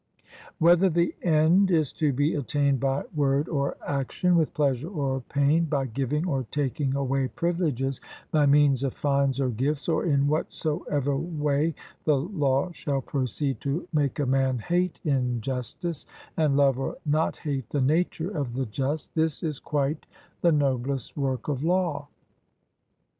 Whether the end is to be attained by word or action, with pleasure or pain, by giving or taking away privileges, by means of fines or gifts, or in whatsoever way the law shall proceed to make a man hate injustice, and love or not hate the nature of the just this is quite the noblest work of law.